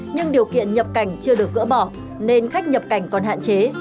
nhưng điều kiện nhập cảnh chưa được gỡ bỏ nên khách nhập cảnh còn hạn chế